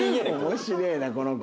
面白えなこの子。